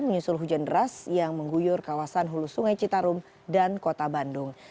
menyusul hujan deras yang mengguyur kawasan hulu sungai citarum dan kota bandung